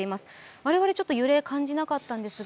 我々ちょっと揺れは感じなかったんですが。